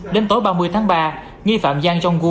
đến tối ba mươi tháng ba nghi phạm giang jong gu